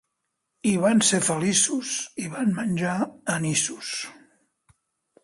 I van ser feliços i van menjar anissos.